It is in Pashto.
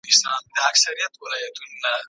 ¬ ډبره د يتيم د سره نه چپېږى.